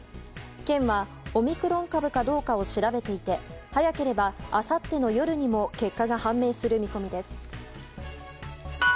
県はオミクロン株かどうかを調べていて早ければ、あさっての夜にも結果が判明する見込みです。